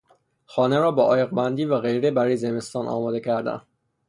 خانه را با عایقبندی و غیره برای زمستان آماده کردن